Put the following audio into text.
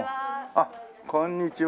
あっこんにちは。